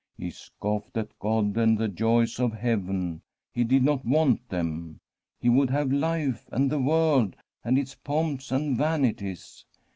He scoflFed at God and the joys of heaven — he did not want them. He would have life, and the world, and its pomps and vanities.